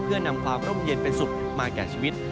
เพื่อนำความร่มเย็นเป็นสุขมาแก่ชีวิต